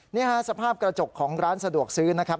นี่ฮะสภาพกระจกของร้านสะดวกซื้อนะครับ